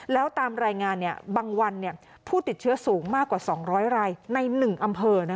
แล้วตามรายงานบางวันผู้ติดเชื้อสูงมากกว่า๒๐๐รายใน๑อำเภอ